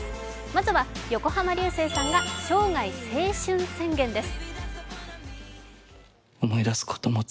まずは横浜流星さんが生涯青春宣言です。